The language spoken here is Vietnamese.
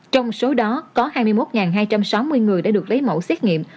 trong số đó có hai mươi một hai trăm sáu mươi người đã được lấy mẫu xét nghiệm